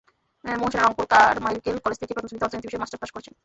Mohsena Rangpur Carmichael college থেকে প্রথম শ্রেণিতে অর্থনীতি বিষয়ে মাস্টার্স পাস করেছেন।